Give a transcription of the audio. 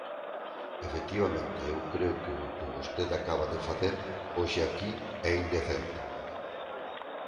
Efectivamente, eu creo que o que vostede acaba de facer hoxe aquí é indecente.